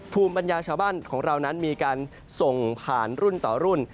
ภูมิปัญญาชาวบ้านของเรานั้นมีการส่งผ่านรุ่นต่อรุ่น